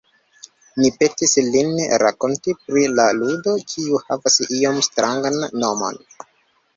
Ni petis lin rakonti pri la ludo, kiu havas iom strangan nomon.